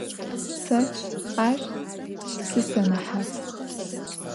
Сэ ар сисэнэхьат.